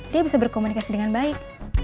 dia bisa berkomunikasi dengan baik